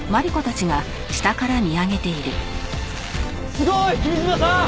すごい！君嶋さん！